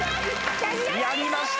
やりました！